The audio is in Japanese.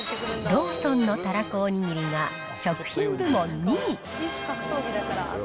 ローソンのたらこおにぎりが食品部門２位。